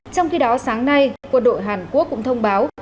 trong khi đó sáng nay quân đội hàn quốc cũng thông báo